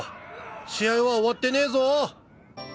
試合は終わってねぞぉ。